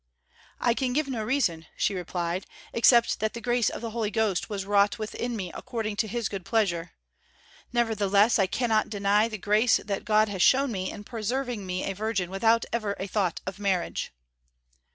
"I can give no reason," she replied, "except that the grace of the Holy Ghost has wrought within me according to His good pleasure; nevertheless, I cannot deny the grace that God has shown me in preserving me a virgin without ever a thought of marriage."